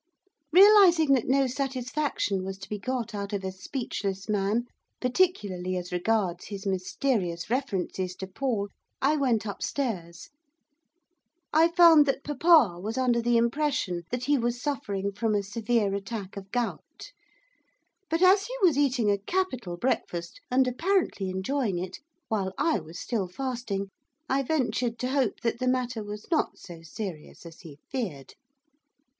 Realising that no satisfaction was to be got out of a speechless man particularly as regards his mysterious references to Paul I went upstairs. I found that papa was under the impression that he was suffering from a severe attack of gout. But as he was eating a capital breakfast, and apparently enjoying it, while I was still fasting I ventured to hope that the matter was not so serious as he feared.